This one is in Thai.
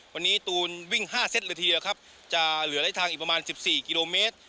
วันนี้ตูนวิ่ง๕เซตเลยทีเดียวครับจะเหลือได้ทางอีกประมาณ๑๔กิโลเมตร